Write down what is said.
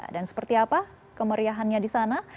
dan seperti apa kemeriahannya di sana